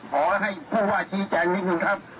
ขอให้ผู้ว่าชี้แจงนิดนึงครับ